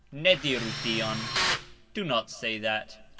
Ne diru tion. Do not say that.